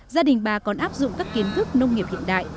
gia đình bà còn áp dụng các kiến thức nông nghiệp hiện đại